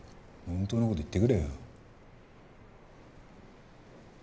本当の事言ってくれよ。